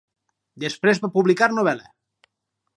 Després va publicar novel·la.